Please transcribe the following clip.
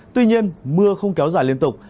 tuy nhiên mưa không kéo dài liên tục